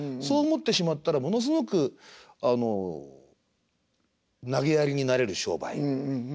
そう思ってしまったらものすごくなげやりになれる商売。